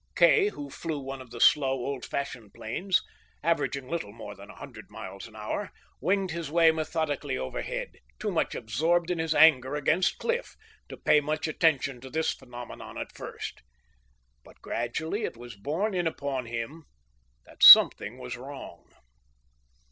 Kay, who flew one of the slow, old fashioned planes, averaging little more than a hundred miles an hour, winged his way methodically overhead, too much absorbed in his anger against Cliff to pay much attention to this phenomenon at first. But gradually it was borne in upon him that something was wrong.